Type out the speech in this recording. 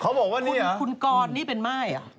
เขาบอกว่านี่เหรอคุณกรนี่เป็นไม่เหรอ